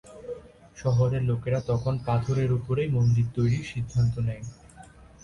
শহরের লোকেরা তখন পাথরের উপরেই মন্দির তৈরির সিদ্ধান্ত নেয়।